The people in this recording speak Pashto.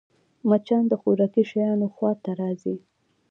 مچان د خوراکي شيانو خوا ته راځي